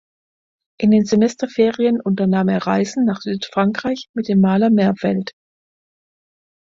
In den Semesterferien unternahm er Reisen nach Südfrankreich mit dem Maler Merveldt.